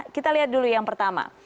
kita lihat dulu yang pertama